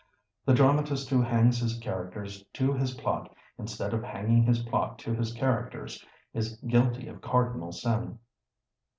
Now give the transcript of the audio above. The dramatist who hangs his characters to his plot, instead of hanging his plot to his characters, is guilty of cardinal sin.